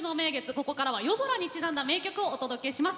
これからは夜空にちなんだ名曲をお届けします。